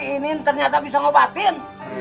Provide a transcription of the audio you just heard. ini ternyata bisa nyobatin